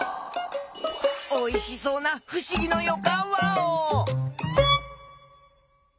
おいしそうなふしぎのよかんワオ！